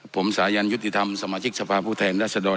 ผมสายันยุติธรรมสมาชิกสภาพผู้แทนรัศดร